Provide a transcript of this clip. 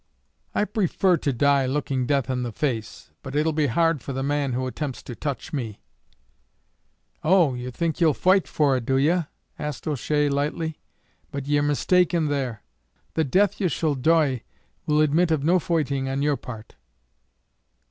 "I prefer to die looking death in the face; but it'll be hard for the man who attempts to touch me." "Oh! ye think ye'll foight for it, do ye?" asked O'Shea lightly; "but ye're mistaken there the death ye shall doie will admit of no foighting on your part."